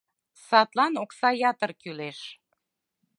Садлан окса ятыр кӱлеш.